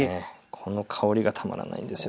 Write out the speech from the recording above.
この香りがたまらないんですよ。